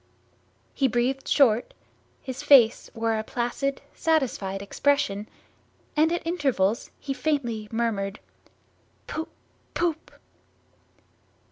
He breathed short, his face wore a placid satisfied expression, and at intervals he faintly murmured "Poop poop!"